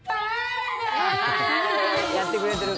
やってくれてる。